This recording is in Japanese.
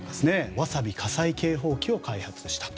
わさび火災警報器を開発したと。